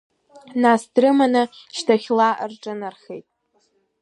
Нас дрыманы, шьҭахьла рҿынархеит.